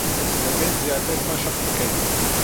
دەبێت زیاتر مەشق بکەیت.